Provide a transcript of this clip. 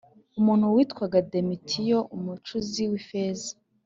Umuntu witwaga Demetiriyo umucuzi w ifeza